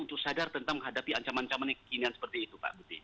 untuk sadar tentang menghadapi ancaman ancaman yang kekinian seperti itu pak budi